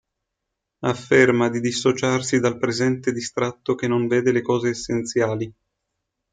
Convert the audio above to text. Afferma di dissociarsi dal presente distratto che non vede le cose essenziali.